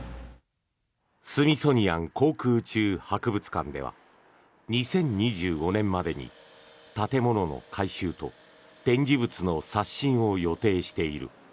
スミソニアン航空宇宙博物館では２０２５年までに建物の改修と展示物の刷新を予定している。